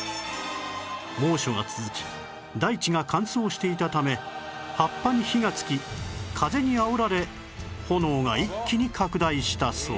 猛暑が続き大地が乾燥していたため葉っぱに火がつき風にあおられ炎が一気に拡大したそう